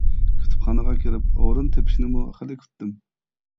كۇتۇپخانىغا كىرىپ ئورۇن تېپىشنىمۇ خېلى كۈتتۈم.